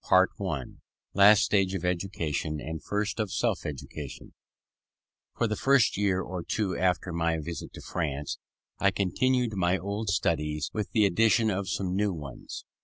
CHAPTER III LAST STAGE OF EDUCATION, AND FIRST OF SELF EDUCATION For the first year or two after my visit to France, I continued my old studies, with the addition of some new ones.